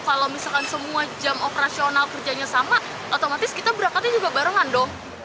kalau misalkan semua jam operasional kerjanya sama otomatis kita berangkatnya juga barengan dong